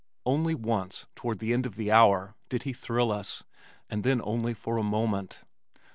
Only once toward the end of the hour did he thrill us, and then only for a moment.